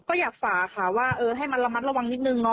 ก็อยากฝากค่ะว่าเออให้มันระมัดระวังนิดนึงเนาะ